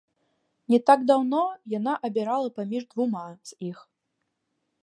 Не так даўно яна абірала паміж двума з іх.